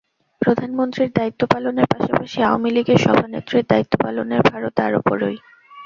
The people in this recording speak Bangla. প্রধানমন্ত্রীর দায়িত্ব পালনের পাশাপাশি আওয়ামী লীগের সভানেত্রীর দায়িত্ব পালনের ভারও তাঁর ওপরই।